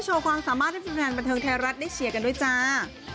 ความสามารถให้แฟนบันเทิงไทยรัฐได้เชียร์กันด้วยจ้า